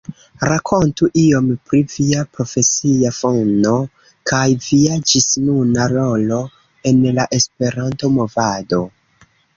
Rakontu iom pri via profesia fono kaj via ĝisnuna rolo en la Esperanto-Movado!